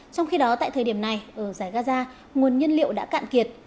trong khi đó tại thời điểm này ở giải gaza nguồn nhân liệu đã cạn kiệt